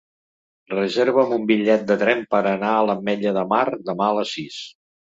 Reserva'm un bitllet de tren per anar a l'Ametlla de Mar demà a les sis.